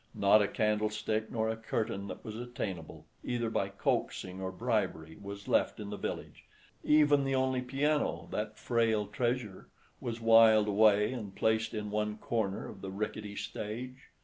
Not a candlestick nor a curtain that was attainable, either by coaxing or bribery, was left in the village; even the only piano, that frail treasure, was wiled away and placed in one corner of the rickety stage.